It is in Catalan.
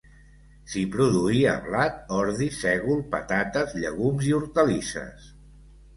S'hi produïa blat, ordi, sègol, patates, llegums i hortalisses.